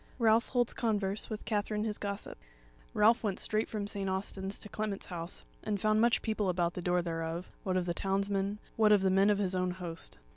CHAPTER 27 Ralph Holds Converse With Katherine His Gossip Ralph went straight from St. Austin's to Clement's house, and found much people about the door thereof, what of the townsmen, what of the men of his own host.